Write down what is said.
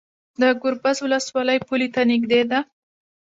د ګربز ولسوالۍ پولې ته نږدې ده